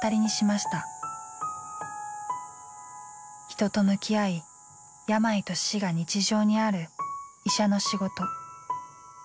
人と向き合い病と死が日常にある医者の仕事。